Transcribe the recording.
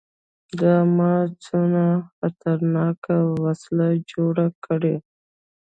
دا ما څونه خطرناکه وسله جوړه کړې.